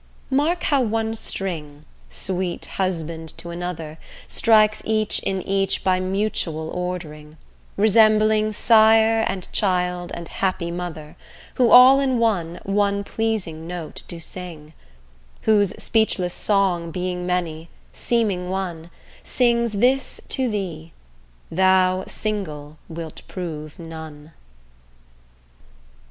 Mark how one string, sweet husband to another, Strikes each in each by mutual ordering; Resembling sire and child and happy mother, Who, all in one, one pleasing note do sing: Whose speechless song being many, seeming one, Sings this to thee: 'Thou single wilt prove none.